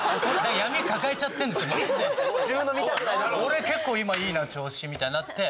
俺結構今いいな調子みたいになって。